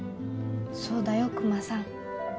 そうだよクマさん。